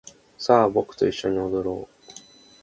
さあ僕と一緒に踊ろう